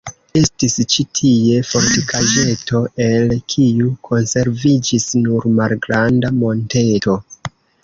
Estis ĉi tie fortikaĵeto, el kiu konserviĝis nur malgranda monteto.